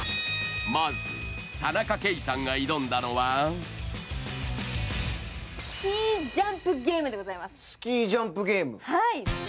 まず田中圭さんが挑んだのはスキージャンプゲームでございますスキージャンプゲーム？